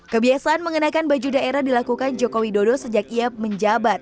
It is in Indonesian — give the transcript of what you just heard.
kebiasaan mengenakan baju daerah dilakukan jokowi dodo sejak ia menjabat